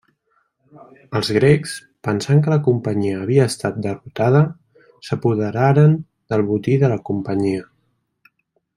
Els grecs, pensant que la Companyia havia estat derrotada, s'apoderaren del botí de la Companyia.